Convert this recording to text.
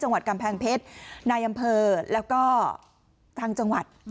จังหวัดกำแพงเพชรนายอำเภอแล้วก็ทางจังหวัด